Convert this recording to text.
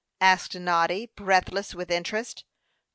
asked Noddy, breathless with interest.